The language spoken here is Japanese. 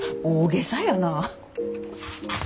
大げさやな。